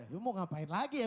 ya mau ngapain lagi ya